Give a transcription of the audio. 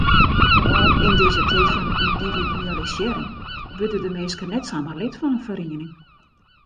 Yn dizze tiid fan yndividualisearring wurde de minsken net samar lid fan in feriening.